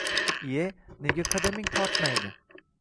Ie, nega qadaming tortmaydi?